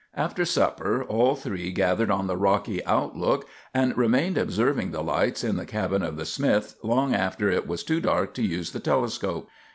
After supper all three gathered on the rocky lookout, and remained observing the lights at the cabin of the Smiths long after it was too dark to use the telescope.